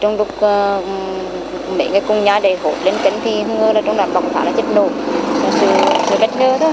trong đó có một người bị thương nặng phải cấp cứu tại bệnh viện trung ương huế